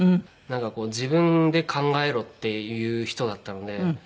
なんかこう自分で考えろっていう人だったので。